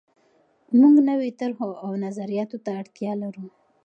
موږ نویو طرحو او نظریاتو ته اړتیا لرو.